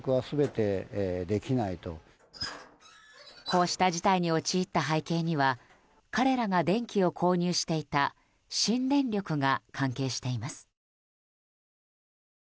こうした事態に陥った背景には彼らが電気を購入していた新電力が関係しています。